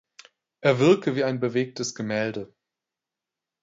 Er wirke wie ein bewegtes Gemälde.